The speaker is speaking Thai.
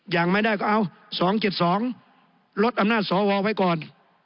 ยังไม่ได้ก็เอา๒๗๒ลดอำนาจสวไว้ก่อน